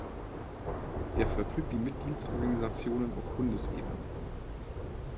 Er vertritt die Mitgliedsorganisationen auf Bundesebene.